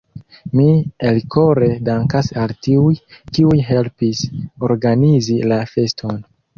Mi elkore dankas al tiuj, kiuj helpis organizi la feston.